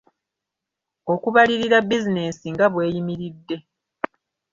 Okubalirira bizinensi nga bw’eyimiridde.